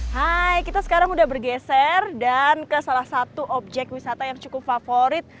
hai kita sekarang sudah bergeser dan ke salah satu objek wisata yang cukup favorit